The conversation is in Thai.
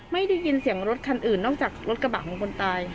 ไม่ได้ยินเสียงรถคันอื่นนอกจากรถกระบะของคนตาย